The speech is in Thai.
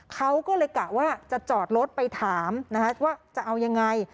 เขาก็เลยกะว่าจะจอดรถไปถามว่าจะเอายังไง